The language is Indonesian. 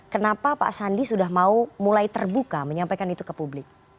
kenapa pak sandi sudah mau mulai terbuka menyampaikan itu ke publik